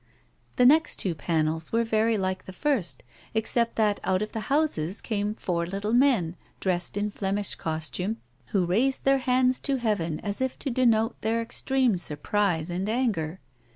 The next two panels were very like the first, except that out of the houses came four little men, dressed in Flemish costume, who raised their hands to heaven as if to denote their extreme surprise and anger.